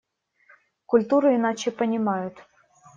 Культуру иначе понимают.